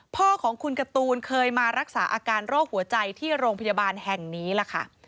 พ่อของคุณการ์ตูนเคยมารักษาอาการโรคหัวใจที่โรงพยาบาลแห่งนี้ล่ะค่ะ